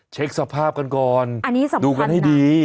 เช็คสภาพกันก่อนดูกันให้ดี